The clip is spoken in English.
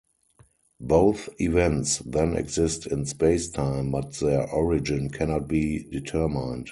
Both events then exist in spacetime, but their origin cannot be determined.